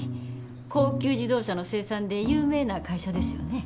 高級自動車の生産で有名な会社ですよね。